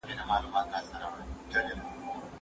د درد احساس د سندرو اورېدو سره کمېږي.